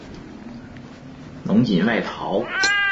侬锦外逃。